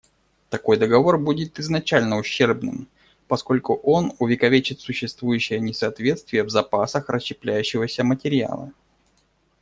Такой договор будет изначально ущербным, поскольку он увековечит существующее несоответствие в запасах расщепляющегося материала.